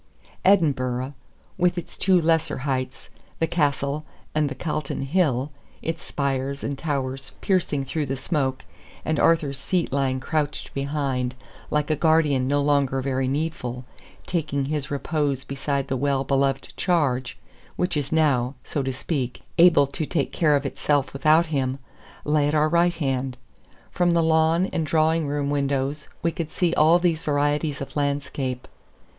Edinburgh with its two lesser heights, the Castle and the Calton Hill, its spires and towers piercing through the smoke, and Arthur's Seat lying crouched behind, like a guardian no longer very needful, taking his repose beside the well beloved charge, which is now, so to speak, able to take care of itself without him lay at our right hand. From the lawn and drawing room windows we could see all these varieties of landscape.